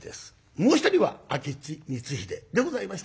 もう一人は明智光秀でございました。